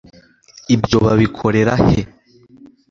ibyo babikorera he